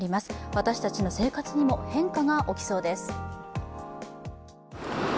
私たちの生活にも変化が起きそうです。